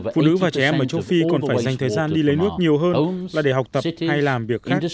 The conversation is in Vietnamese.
phụ nữ và trẻ em ở châu phi còn phải dành thời gian đi lấy nước nhiều hơn là để học tập hay làm việc khác